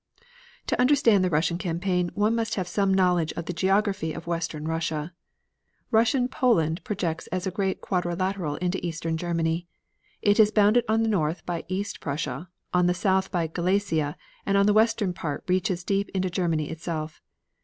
To understand the Russian campaign one must have some knowledge of the geography of western Russia. Russian Poland projects as a great quadrilateral into eastern Germany. It is bounded on the north by East Prussia, on the south by Galicia, and the western part reaches deep into Germany itself.